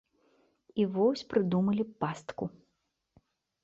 І вось прыдумалі пастку.